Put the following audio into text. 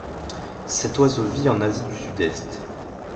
Cet oiseau vit en Asie du sud-est.